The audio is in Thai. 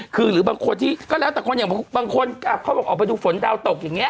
คือหรือบางคนที่ก็แล้วแต่คนอย่างบางคนเขาบอกออกไปดูฝนดาวตกอย่างนี้